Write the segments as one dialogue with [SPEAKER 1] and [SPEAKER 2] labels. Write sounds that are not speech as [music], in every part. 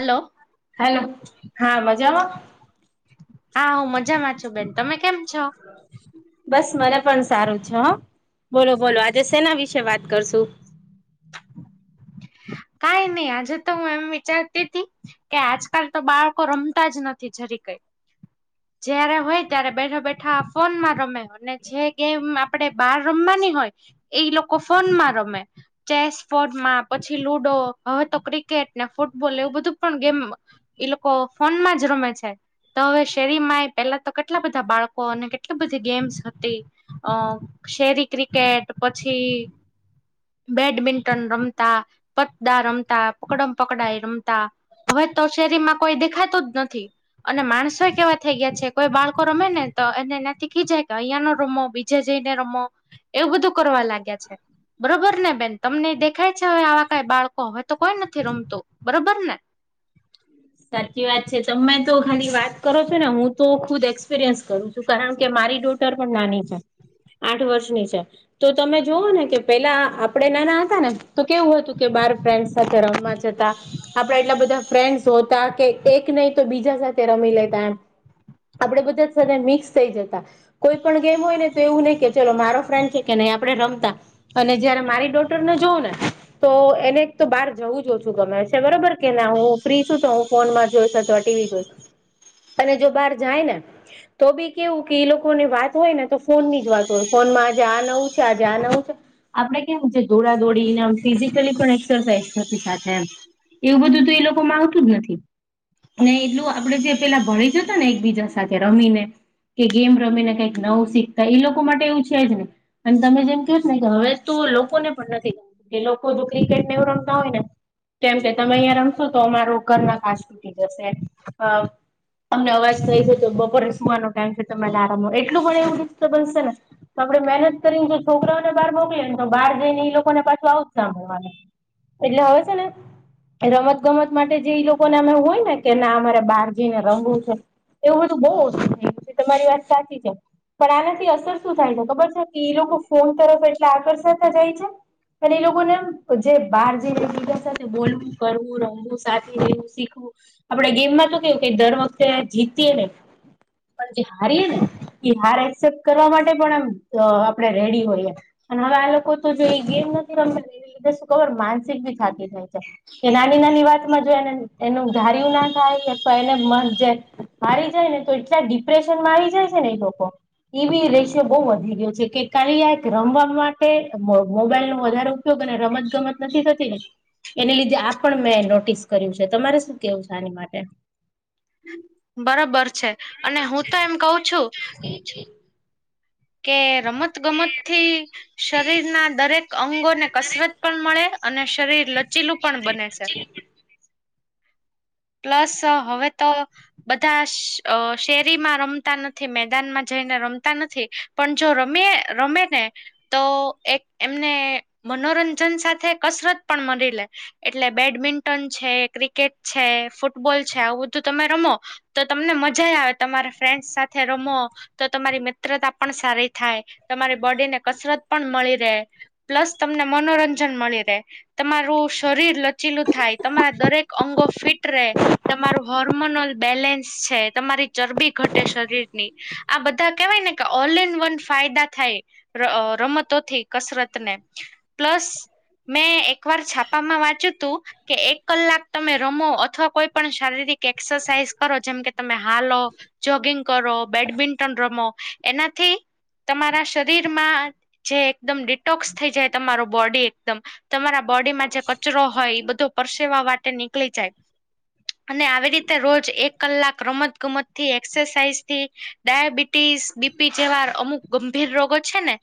[SPEAKER 1] Hello
[SPEAKER 2] hello હા મજામાં.
[SPEAKER 1] હા હું મજામાં છું બેન તમે કેમ છો?
[SPEAKER 2] બસ મને પણ સારું છે હો બોલો બોલો આજે સેના વિશે વાત કરશું.
[SPEAKER 1] કઈ નહી આજે તો હું એમ વિચારતી હતી. કે આજકાલ તો બાળકો રમતા જ નથી જરી કઈ. જયારે હોય ત્યારે બેઠા બેઠા ફોનમાં રમે. અને જે ગેમ આપડે બહાર રમવાની હોય એ લોકો ફોનમાં રમે. ચેસ બોર્ડમાં પછી લુડો હવે તો ક્રિકેટ ને ફૂટબોલ એવું બધું પણ ગેમ. એ લોકો ફોનમાં જ રમે છે. તો હવે શેરીમાંય પેલા તો કેટલા બધા બાળકો અને કેટલી બધી ગેમ્સ હતી. અ શેરી ક્રિકેટ પછી બેડમિન્ટન રમ. તા પતદા રમતા પકડમ પકડાય રમતા. હવે તો શેરીમાં કોઈ દેખાતું જ નથી. અને માણસો કેવા થઈ ગયા છે કોઈ બાળકો રમે ને તો એને એનાથી ખીજાય કે અહિયાં નો રમો. જે જઈને રમો એવું બધું કરવા લાગ્યા છે બરોબર ને બેન તમનેે. દેખાય છે હવે આવા કઈ બાળકો હવે તો કોઈ નથી રમતું બરોબર ને.
[SPEAKER 2] સાચી વાત છે તમે તો ખાલી વાત કરો છો ને હું તો ખુદ એક્સપિરિયન્સ કરું. કારણ કે મારી ડૂટર પણ નાની છે. આઠ વર્ષની છે તો તમે જોઓ ને કે પેલા આપણેે નાના હતા ને. તો કેવું હતું કે બાર ફ્રેન્ડસ સાથે રમવા જતા આપડા એટલા બધા ફ્રેન્ડસ જોતા કે એક નહી તો બીજા સાથે રમી લેતા એમ. આપડે બધા છે તે મિક્સ થઈ જતા. કોઈ પણ ગેમ હોય ને તો એવું નહી કે ચલો મારો ફ્રેન્ડ છે કે નહી આપડે રમતા. અને જયારે મારી ડોટરને જોવું ને. તો એને એક તો બહાર જવું જો ઓછું ગમે છે બરોબર કે ના હું. ફ્રીશું તો. ફોનમાં જોઈશ અથવા ટીવી જોઈ અને જો બહાર જાય ને. તો બી કેવું કે એ લોકોની વાત હોય ને તો ફોન ની જ વાત હોય ફોનમાં આજે આ નવું છે આજે આ નવું છે. આપડે કેમ છે દોડા દોડીને એમ ફિઝિકલી પણ એક્સરસાઇઝ થતી સાથે એમ. એવું બધું તો એ લોકોમાં આવતું જ નથી. ને એટલું આપડે જે પેલા ભળી જતા ને એકબીજા સાથે રમીને કે ગેમ રમે ને કઈક નવું શીખતા એ લોકો માટે એવું છે જ ને. અને તમે જેમ કહો ને કે હવે ત લોકોને પણ નથી. કે લોકો જો ક્રિકેટને એવું રમતા હોય ને કેમ કે તમે અહિયાં રમ. તો અમારો ઘરમાં કાચ તૂટી જશે એમ. અમને અવાજ થઈ જ તો બપોરે સુવાનો ટાઈમ છે તમારે આરામ એલું પણ એવું ડિસ્ટર્બન્સ છે ને. આપડે મહેનત કરીને જો છોકરાઓને બહાર મોકલીએ ને તો બહાર જઈ ને ઈ લોકોને પાછું આવ જ સાભળવાનું. એટલે હવે છે ને રમત. રમત માટે જે ઈ લોકોને અમે હોય ને કે ના અમારે બહાર જઈને રંમુ છે. એવું બધું બહુ ઓછું થ‌યુ છે તમારી વાત સાચી છે. પણ આનાથી અસર શું થાય છે ખબર છે કે એ લોકો ફોન તરફ એટલે આકર્ષાતા જાય છે. અને એ લોકો ને એમ જે બહાર જઈને બીજા સાથે બોલવું કરવું રમું. સાવું [inaudible] શીખવું આપડે ગેમમાં તો કેવું કે દર વખતે જીતીએ ને. પણ જે હારીએ ને એ હાર એક્સેપ્ટ કરવા માટે પણ અ આપણે રેડી હોઈએ. અને હવે આ લોકો તો જો ઈ ગેમ નથી રમતાને ઈ એટલે શું ખબર માનસિક ભી થાતી હોય છે. કે નાની નાની વાત માં જો એને એનું ધાર્યું ના થાય અથવા એને મન જે હારી જાય ને તો એટલા ડીપ ડિપ્રેશનમાં આઈ જાય છે ને એ લોકો. એબી રેશિયો બહુ વધી ગયો છે. કે ખાલી આ એક રમવા માટે મો મોબાઈલનો વધારે ઉપ ઉપયોગ અને રમત ગમત નથી થતી ને એને લીધે આ પણ મેં નોટ ટીસ કર્યું છે. તમારે શું કેવું છે આની માટે?
[SPEAKER 1] બરોબર છે. અને હું તો એમ કહું છું.
[SPEAKER 2] એ છે.
[SPEAKER 1] કે રમત ગમતથી શરીરના દરેક અંગોને કસરત પણ મળે, અને શરીર લચીલું પણ બને છે. પ્લસ હવે તો બધા અ શેરીમાં રમતા નથી, મેદાનમાં જઈને રમતા નથી. પન જો રમીએ રમે ને તો એક એમને મનોરંજન સાથે કસરત પણ મલી લે. એટલે બેડમિન્ટન છે, ક્રિકેટ છે, ફૂટબોલ છે, આવું બધું તમે રમો તો તમને મજા એ આવે, તમારે ફ્રેન્ડસ સાથે રમો. તો તમારી મિત્રતા પણ સારી થાય. તમારી બોડીને કસરત પણ મળી રે. પ્લસ તમને મનોરંજન મળી રે. તમારું શરીર લચીલું થાય, તમારા દરેક અંગો ફિટ રે. તમારું હોર્મોનલ બેલેન્સ છે, તમારી ચરબી ઘટે શરીરની. આ બધાં કેવાય ને કે ઓલઇન વન ફાયદા થાય. ર રમતોથી, કસરતને પ્લસ. મેં એકવાર છાપામાં વાંચ્યું તું કે એક કલાક તમે રમો અથ અથવા કોઈ પણ શારીરિક. કે એક્સરસાઇઝ કરો જેમ કે તમે હાલો, જોગિંગ કરો, બેડમિન્ટન રમો. એનાથી તમારા શરીરમાં જે એકદમ ડિટોક્સ થઈ જાય તમારો બોડી એકદમ. તમારા બોડીમાં જે કચરો હોય ઈ બધો પરસેવા વાટે નીકળી જાય. અને આવી રીતે રોજ એક કલાક રમત ગમતથી એક્સસાઇઝ થી ડાયાબિટીસ બીપ પી જેવા અમુક ગંભીર રોગો છે ને.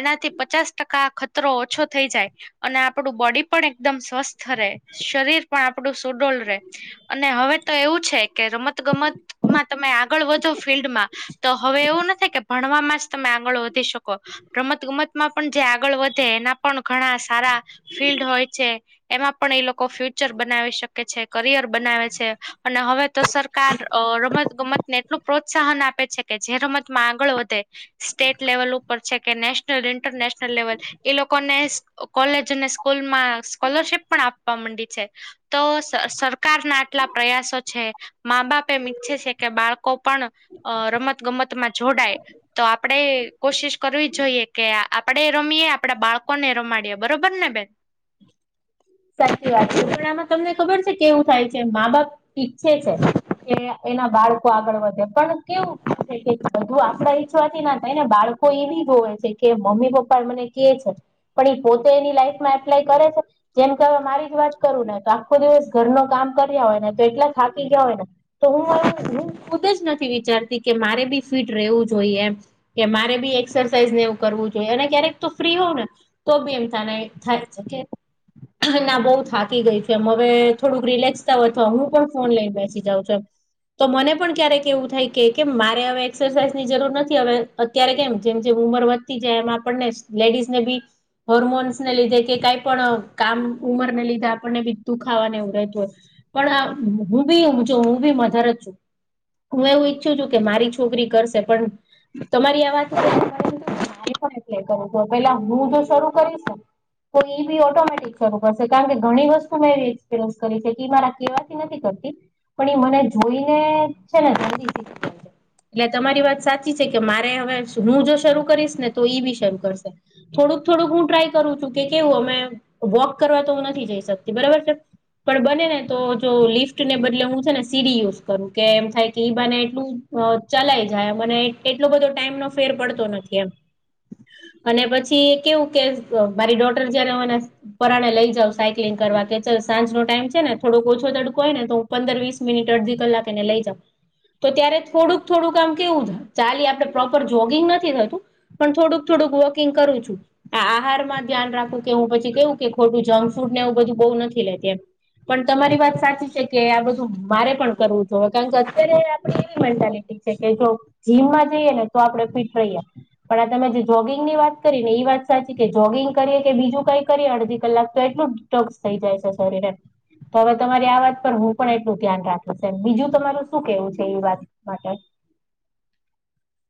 [SPEAKER 1] એનાથી પચાસ ટકા ખતરો ઓછો થઈ જાય. અને આપણું બોડી પણ એકદમ સ્વસ્થ રે, શરીર પણ આપડું સુડોલ રે. અને હવે તો એવું છે કે રમત ગમત માં તમે આગળ વધો ફિલ્ડમાં તો હવે એવું નથી કે ભણવામાં જ તમે આગળ વધી શકો. રમત ગમતમાં પણ જે આગળ વધે એના પણ ઘણા સારા ફિલ્ડ હોય છે, એમાં પણ એ લોકો ફ્યુચર બનાવી શકે છે. કરિયર બનાવે છે. અને હવે તો સરકાર અ રમત ગમતને એટલું પ્રોત્સાહન આપે છે. કે જે રમતમાં આગળ વધે સ્ટેટ લેવલ ઉપર છે કે નેશનલ, ઇન્ટરનેશનલ લેવલ એ લોકોને કોલેજ અને સ્કૂલમાં સ્કોલરશીપ પણ આપવા માંડી છે. તો સરકારના આટલા પ્રયાસો છે. મા બાપ એમ ઈચ્છે છે કે બાળકો પણ અ રમત ગમતમાં જોડાય. તો આપણેે કોશિશ કરવી જોઈએ કે આપણેે રમીએ, આપડા બાળકોને રમાડીએ બરોબર ને બેન?
[SPEAKER 2] સાચી વાત છે. પણ આમાં તમને ખબર છે કેવું થાય છે, મા બાપ ઈચ્છે છે કે એના બાળકો આગળ વધે. પણ કેવું છે કે બધું આપડા ઈચ્છવાથી ના થાય ને. બાળકો એબી જોવે છે કે મમ્મી પપ્પા મને કે છે પણ ઈ પોતે એની લાઈફમાં એપ્લાય કરે છે? જેમ જે મારી જ વાત કરું ને તો આખો દિવસ ઘર નો કામ કર્યા હોય ને તો એટલા થાકી ગયા હોય ને તો હું હું ખુદ જ નથી વિચારતી કે મારે બી ફિટ રહેવું જોઈએ એમ. કે મારે બી એક્સરસાઇઝ ને એવું કરવું જોઈએ. અને ક્યારેક તો ફ્રી હોઉં ને તો બી એમ તને થાય છે કે ના બહુ થાકી ગઈ છું એમ હવે થોડુંક રિલેક્સ થાઉ અથવા હું પણ ફોન લઈને બેસી જાઉં છું એમ. તો મને પણ ક્યારેક એવું થાય કે કેમ મારે હવે એક્સરસાઇઝની જરૂર નથી હવે. અત્યારે કેમ જેમ જેમ ઉંમર વધતી જાય એમ આપણને લેડીઝ ને બી હર્મોન્સને લીધે કે કાઈ પણ કામ ઉમર ને લીધે આપણને બી દુખાવા ને એવું રહેતું હોય. પણ હું બી હું જો હું બી મધર જ છું. હું એવું ઈચ્છું છું કે મારી છોકરી કરશે પણ તમારી આ વાત છે પરંતુ પહેલા મારી વાત હું જો શરૂ કરીશને તો ઈ બી ઓટોમેટિક શરૂ કરશે કારણ કે ઘણી વસ્તુ એવી એસપિરયન્સ કરી છે કે મારા કહેવાથી નથી કરતી. પણ એ મને જોઈ ને છે ને જલ્દી શિખી જાય. છે. એટલે તમારી વાત સાચી છે કે મારે હવે હું જો શરૂ કરીશ ને તો ઈ બી શરૂ કરશે. થોડુંક થોડુંક હું ટ્રાય કરું છું કે કેવું અમે વોક કરવા તો હું નથી જઈ શકતી બરાબર છે. પણ બને ને તો જો લિફ્ટને બદલે હું છે ને સીડી યુઝ કરું કે એમ થાય કે ઈ બાને એટલું અ ચલાય જાય મને એટલો બધો ટાઈમ નો ફેર પડતો નથી એમ. અને પછી કેવું કે મારી ડોટર જયારે મને પરાણે લઈ જાવ સાયક્લિંગ કરવા કે ચાલ સાંજનો ટાઈમ છે ને થોડોક ઓછો તડકો હોય ને તો પંદર વીસ મિનિટ અડધી કલાક એને લઈ જાવ. તો ત્યારે થોડુંક થોડુંક આમ કેવું ચાલી આપણે પ્રોપર જોગિંગ નથી થતું. પણ થોડુંક થોડુંક વોકિંગ કરું છું આ આહારમાં ધ્યાન રાખું કે હું પછી કેવું કે ખોટું જંક ફૂડ ને એવું બધું બહુ નથી લેતી એમ પણ તમારી વાત સાચી છે કે આ બધું મારે પણ કરવું જોઈ કારણ કે અત્યારે આપણે એવી મેન્ટાલિટી છે કે જો જીમમાં જઈએ ને તો આપણે ફિટ રહીએ. પણ આ તમે જે જોગિંગ ની વાત કરી ને એ વાત સાચી કે જોગિંગ કરીએ કે બીજું કઈ કરીએ અડધી કલાક તો એટલું ટોક્સ થઈ જાય છે શરીરે તો હવે તમારી આ વાત પર હું પણ એટલું ધ્યાન રાખું છેમ બીજું તમારું શું કેવું છે એ વાત માટે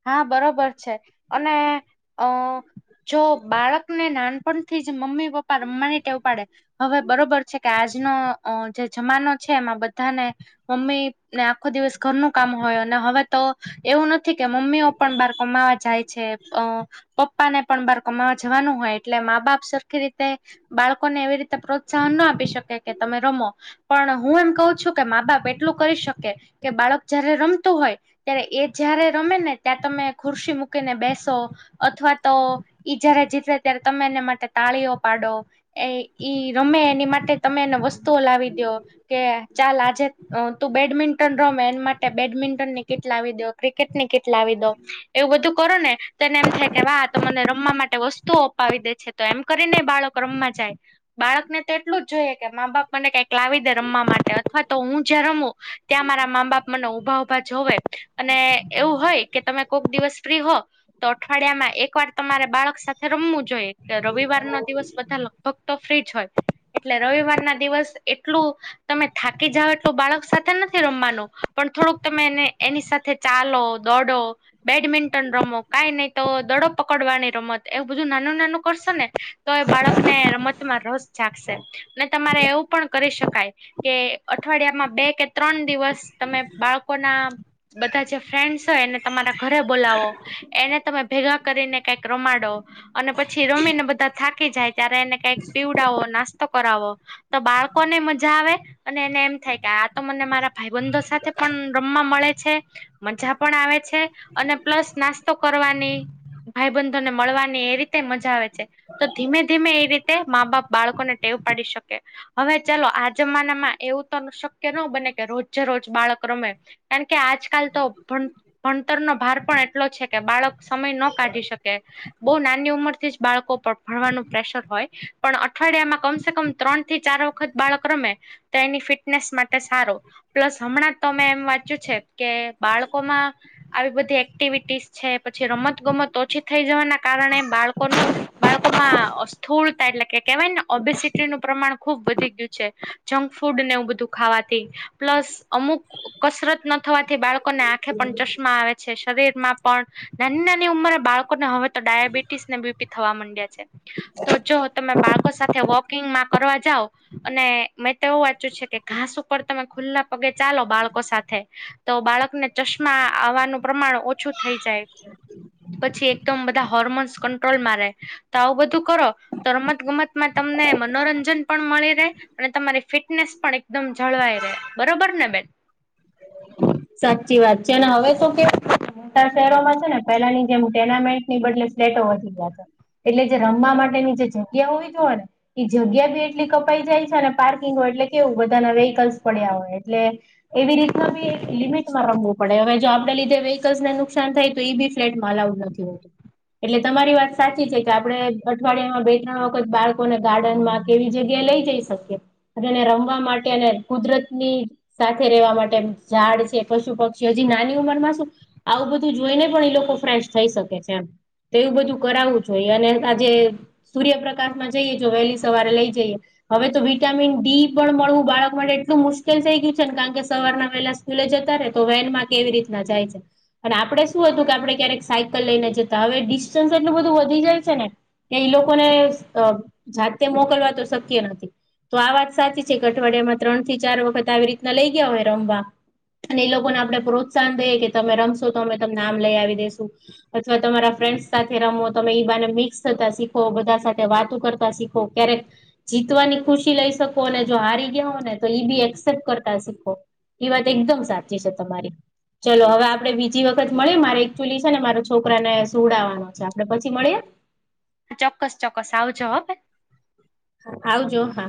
[SPEAKER 1] હા બરોબર છે અને અ જો બાળકને નાનપણથી જ મમ્મી પપ્પા રમવાની ટેવ પાડે હવે બરોબર છે કે આજનો જે જમાનો છે એમાં બધાને મમ્મી ને આખો દિવસ ઘરનું કામ હોય અને હવે તો એવું નથી કે મમ્મીઓ પણ બહાર કમાવા જાય છે. અ પપ્પા ને પણ બાર કમાવા જવાનું હોય એટલે મા બાપ સરખી રીતે બાળકોને એવી રીતે પ્રોત્સાહન ન આપી શકે કે તમે રમો પણ હું એમ કહું છું, કે મા-બાપ એટલું કરી શકે કે બાળક જયારે રમતું હોય ત્યારે એ જ્યાંરે રમે ને ત્યાં તમે ખુરશી મૂકીને બેસો અથવા તો ઈ જ્યારે જીતે ત્યારે તમે એને માટે તાળીઓ પાડો. એ ઈ રમે એની માટે તમે એને વસ્તુઓ લાવી દો. કે ચાલ આજે તું બેડમિન્ટન રમે એન માટે બેડમિન્ટનની કીટ લાવી દયો ક્રિકેટ ની કીટ લાાવી દો એવું બધું કરો ને તો એને એમ થાય કે વાહ આતો મને રમવા માટે વસ્તુઓ અપાવી દે છે તો એમ કરીને બાળક રમમાં જાય. બાળક ને તો એટલું જ જોઈએ કે મા-બાપ મને કંઈક લાવી દે રમવા માટે અથવા તો હું જ્યાં રમું ત્યાં મારા મામ-બાપ મને ઉભા-ઉભા જોવે અને એવું હોય કે તમે કોઈક દિવસ ફ્રી હો તો અઠવાડિયામાં એક વાર તમારે બાળક સાથે રમવું જોઈએ. રવિવારનો દિવસ બધા લગભગ તો ફ્રીજ હોય. એટલે રવિવારના દિવસ એટલું તમે થાકી જાઓ એટલું બાળક સાથે નથી રમવાનું પણ થોડુંક તમેને એની સાથે ચાલો, દોડો, બેડમિન્ટન રમો, કાઈ નહી તો દડો પકડવાની રમત એવું બધું નાનું-નાનું કરશો ને તો એ બાળકને રમતમાં રસ જાગશે. ને તમારે એવું પણ કરી શકાય કે અઠવાડિયામાં બે કે ત્રણ દિવસ તમે બાળકોના બધા જે ફ્રેન્ડસ હોય એને તમારા ઘરે બોલાવો એને તમે ભેગા કરીને કઈક રમાડો. અને પછી રમીને બધા થાકી જાય ત્યારે એને કઈક પીવડાવો નાસ્તો કરાવો. તો બાળકોને મજા આવે. અને એને એમ થાય કે આ તો મને મારા ભાઈ બંધો સાથે પણ રમવા મળે છે. મજા પણ આવે છે અને પ્લસ નાસ્તો કરવાની ભાઈબંધો ને મળવાની એ રીતે મજા આવે છે. તો ધીમે-ધીમે એ રીતે મા-બાપ બાળકોને ટેવ પાડી શકે. હવે, ચાલો આ જમાનામાં એવું તો શક્ય ન બને કે રોજે-રોજ બાળક રમે. કારણ કે આજ આજકાલ તો ભણતરનો ભાર પણ એટલો છે, કે બાળક સમય ન કાઢી શકે. બહું નાની ઉંમરથી જ બાળકો ભણવાનું પ્રેશર હોય. પણ અઠવાડિયામાં કમસે કમ ત્રણ થી ચાર વખત બાળક રમે તો એની ફિટનેસ માટે સારો પ્લસ હમણાં તો મે એમ વાંચ્યું છે. કે બાળકોમાં આવી બધી એક્ટિવિટીસ છે પછી રમત-ગમત ઓછી થઈ જવાના કારણે બાળકોનું બાળકોમાં સ્થૂળતા એટલે કે કેહેવાય ને ઓબેસિટીનું પ્રમાણ ખુબ વધી ગયું છે. જંક ફૂડ ને એવું બધું ખાવાથી પ્લસ અમુક કસરત નથી થવાથી બાળકોને આંખે પણ ચશ્મા આવે છે, શરીરમાં પણ નાની-નાની ઉંમરે બાળકોને હવે તો ડાયાબિટીસને બીપી થવા માંડ્યા છે. તો જો તમે બાળકો સાથે વોકિંગમાં કરવા જાવ અને મેં તો એવું વાંચ્યું છે, કે ઘાસ ઉપર તમે ખુલ્લા પગે ચાલો બાળકો સાથે તો બાળકને ચશ્મા આવવાનું પ્રમાણ ઓછું થઈ જાય પછી એક એકદમ બધા હોર્મોન્સ કંટ્રોલમાં રહે તો આવું બધું કરો. તો રમત ગમતમાં તમને મનોરંજન પણ મળી રહે. અને તમારી ફિટનેસ પણ એકદમ જળવાઈ રહે, બરોબર ને બેન?
[SPEAKER 2] સાચી વાત છે, અને હવે શું કે શહેરોમાં છે ને પેલાની જેમ ટુર્નામેન્ટની બદલે ફ્લેટ વધી ગયા છે. એટલે જે રમવા માટેની જે જગ્યા હોય તો હોય ને. એ જગ્યા બી એટલી કપાઈ જાય છે અને પાર્કિંગો એટલે કેવું બધાના વેહકલ્સ પડ્યા હોય એટલે એવી રીતના બી લિમિટમાં રમવું પડે હવે, જો આપણે લીધે વ્હીકલ્સને નુકસાન થાય તો એ બી ફ્લેટમાં અલાઉવ નથી હોતું. એટલે તમારી વાત સાચી છે કે આપણે અઠવાડિયામાં બે-ત્રણ વખત બાળકોને ગાર્ડનમાં કેવી જગ્યાએ લઈ જઈ શકીએ અનેને રમવા માટે અને કુદરત ની સાથે રહેેવા માટે ઝાડ છે પશુ પક્ષી હજી નાની ઉંમર માં શું આવું બધું જોઈને પણ એ લોકો ફ્રેશ થઈ શકે છે એમ તેવું બધું કરાવવું જોઈ અને આજે સૂર્યપ્રકાશમાં જઈએ જો વહેલી સવારે લઈ જઈએ હવે તો વિટામિન ડી પણ મળવું બાળક માટે એટલું મુશ્કેલ થઈ ગયું છે ને કારણ કે સવારના વહેલા લે જતા રે તો વેન માં કેવી રીતના જાય છે અને આપડણે શું હતું કે આપણે ક્યારેક સાયકલ લઈને જતા હવે ડિસ્ટન્સ એટલું બધું વધી જાય છે ને ત્યા ઈ લોકોને જાતે મોકલવા તો શક્ય નથી તો આ વાત સાચી છે અઠવાડિયામાં ત્રણ થી ચાર વખત આવી રીતના લઈ ગયા હોય રમવા અને એ લોકોને આપણે પ્રોત્સાહન દઈએ કે તમે રમશો તો અમે તમને આમ લઈ આવી દેસુ અથવા તમારા ફ્રેન્ડ્સ સાથે રમો, તમે ઈ બાને મિક્સ થતા શીખો, બધા સાથે વાતો કરતા શી ઓ ક્યારેક જીતવાની ખુશી લઈ શકો અને જો હારી ગયા હો ને તો ઈ બી એસેપ્ટ કરતા શીખો એ વાત એકદમ સાચી છે તમારી ચલો હવે આપડે બીજી વખત મળીએ મારે એકચુઅલી છે ને મારો છોકરાને સુવડાવવાનો છે આપડે પછી મળએ
[SPEAKER 1] ચોક્કસ ચોક્કસ આવજવાબ
[SPEAKER 2] હા આવજો હા